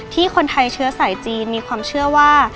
คนไทยเชื้อสายจีนมีความเชื่อว่า